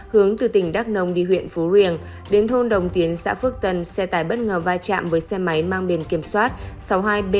hướng từ tỉnh đắk nông đi huyện phú riềng đến thôn đồng tiến xã phước tân xe tải bất ngờ vai trạm với xe máy mang biển kiểm soát sáu mươi hai b một trăm ba mươi ba nghìn bốn trăm linh sáu